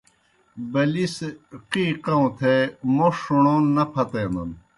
بلِس قی قؤں تھے موْݜ ݜُݨون نہ پھتینَن۔